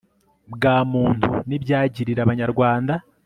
bwa muntu n ibyagirira Abanyarwanda